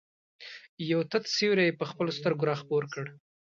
یو تت سیوری یې په خپلو سترګو را خپور کړ.